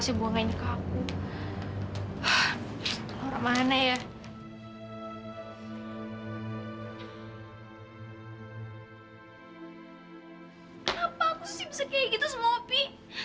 kenapa aku sih bisa kayak gitu sama opi